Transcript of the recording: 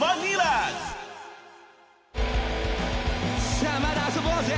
さあまだ遊ぼうぜ！